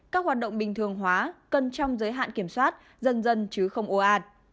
các hoạt động bình thường hóa cần trong giới hạn kiểm soát dân dân chứ không ô ạt